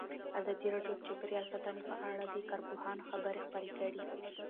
ازادي راډیو د چاپیریال ساتنه په اړه د کارپوهانو خبرې خپرې کړي.